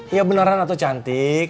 iya beneran ate cantik